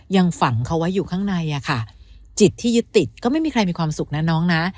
ยังฝังเขาไว้อยู่ข้างในอะค่ะจิตที่ยึดติดก็ไม่มีใครมีความสุขนะน้องนะ